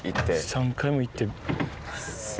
３回も行って。